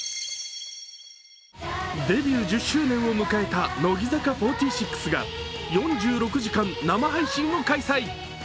デビュー１０周年を迎えた乃木坂４６が４６時間生配信を開催。